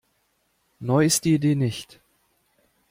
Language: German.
Neu ist die Idee nicht.